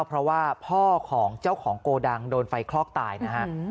เพราะว่าพ่อของเจ้าของโกดังโดนไฟคลอกตายนะฮะ